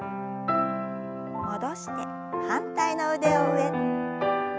戻して反対の腕を上。